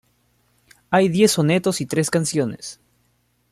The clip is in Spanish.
Hay diez sonetos y tres canciones.